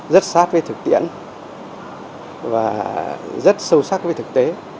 rất sát với thực tiễn và rất sâu sắc với thực tế